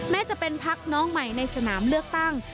แม้จะเป็นพักน้องใหม่ในสนามเลือกตั้ง